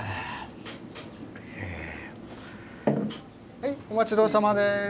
はいお待ちどおさまです。